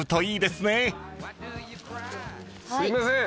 すいません。